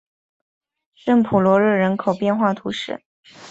圣普罗热人口变化图示